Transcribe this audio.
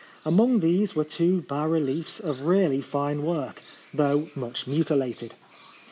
Among these were two bas reliefs of really fine work, though much mutilated.